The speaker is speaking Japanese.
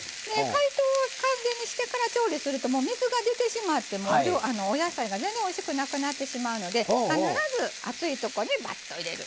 解凍を完全にしてから調理すると水が出てしまってお野菜が全然おいしくなくなってしまうので必ず熱いとこに、ばっと入れる。